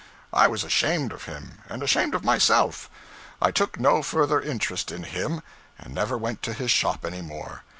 I was ashamed of him, and ashamed of myself; I took no further interest in him, and never went to his shop any more.